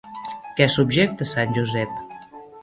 Què subjecta Sant Josep?